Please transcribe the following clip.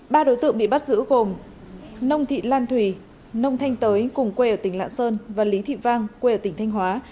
ba đối tượng bị bắt giữ gồm nông thị lan thùy nông thanh tới cùng quê ở tỉnh lạng sơn và lý thị vang quê ở tỉnh thanh hóa